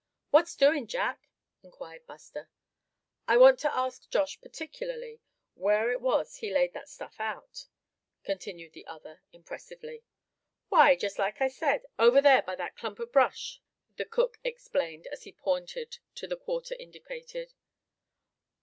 "What's doing, Jack?" inquired Buster. "I want to ask Josh particularly where it was he laid that stuff out," continued the other, impressively. "Why, just like I said, over ther by that clump of brush," the cook explained, as he pointed in the quarter indicated.